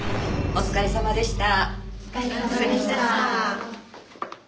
お疲れさまでした。